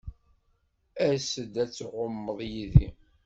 As-d ad tɛummeḍ yid-i.